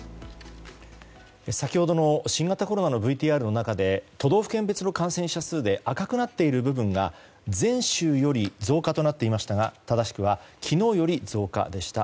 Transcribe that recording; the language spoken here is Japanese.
先ほどの新型コロナのＶＴＲの中で都道府県別の感染者数で赤くなっている部分が前週より増加となっていましたが正しくは昨日より増加でした。